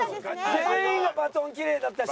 全員がバトンきれいだったし。